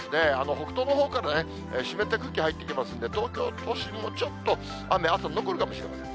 北東のほうから湿った空気入ってきますんで、東京都心もちょっと雨、朝、残るかもしれません。